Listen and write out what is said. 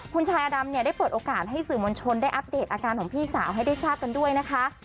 คุณชายอดำเนี่ยได้เปิดโอกาสให้สื่อมวลชนได้อัปเดตอาการของพี่สาวให้ได้ทราบกันด้วยนะคะ